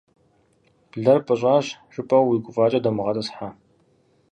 Блэр пӏыщӏащ жыпӏэу уи гуфӏакӏэ думыгъэтӏысхьэ.